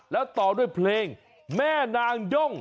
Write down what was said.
แล้วต่อด้วยเพลงแม่นางย่ง